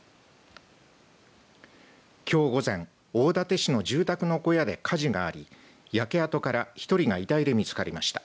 きょう午前大館市の住宅の小屋で火事があり焼け跡から１人が遺体で見つかりました。